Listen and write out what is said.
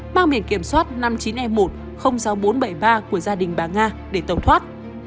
mang biển kiểm soát năm mươi chín e một sáu nghìn bốn trăm bảy mươi ba của gia đình bà nga để tàu thoát